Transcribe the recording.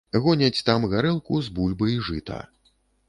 Гоняць там гарэлку з бульбы і жыта.